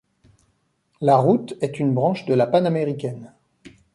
La route est une branche de la Panaméricaine.